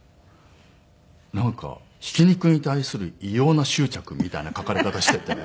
なんか「ひき肉に対する異様な執着」みたいな書かれ方しててね。